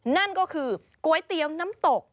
นั่นก็คือก๋วยเตี๋ยวน้ำตก